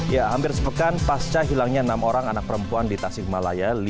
ya hampir sepekan pasca hilangnya enam orang anak perempuan di tasikmalaya